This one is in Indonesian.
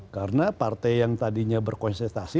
karena partai yang tadinya berkonsentrasi